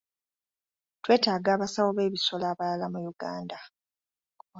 Twetaaga abasawo b'ebisolo abalala mu Uganda.